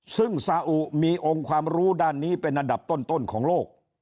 ซึ่งซาอุมีองค์ความรู้ด้านนี้เป็นอันดับต้นของโลก